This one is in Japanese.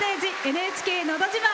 「ＮＨＫのど自慢」。